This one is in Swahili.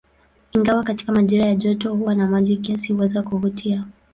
Ingawa katika majira ya joto huwa na maji kiasi, huweza kuvutia.